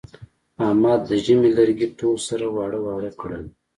احمد د ژمي لرګي ټول سره واړه واړه کړل.